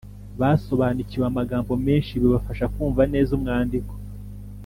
basobanukiwe amagambo menshi bibafasha kumva neza umwandiko.